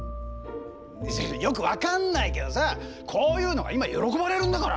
よく分かんないけどさこういうのが今喜ばれるんだから。